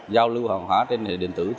giao lưu hàng hóa trên hệ thống điện tử